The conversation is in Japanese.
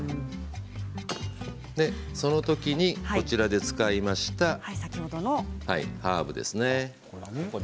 そのときにこちらで使いましたハーブですね。